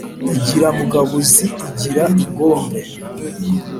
Igira mugabuzi iyigira ingombe,